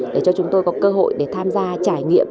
để cho chúng tôi có cơ hội để tham gia trải nghiệm